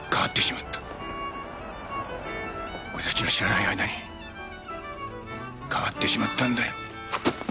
俺たちの知らない間に変わってしまったんだよ。